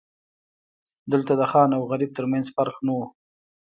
دلته د خان او غریب ترمنځ فرق نه و.